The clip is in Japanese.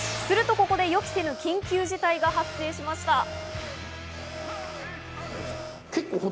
するとここで予期せぬ緊急事態が発生しました。